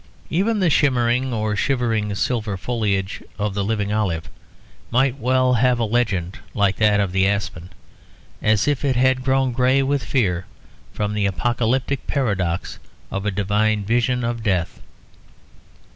Even the shimmering or shivering silver foliage of the living olive might well have a legend like that of the aspen; as if it had grown grey with fear from the apocalyptic paradox of a divine vision of death.